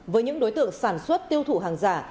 với những đối tượng sản xuất tiêu thụ hàng giả